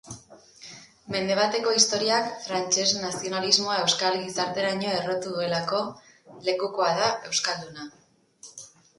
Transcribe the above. Mende bateko historiak frantses nazionalismoa euskal gizarteraino errotu duelako lekukoa da Eskualduna.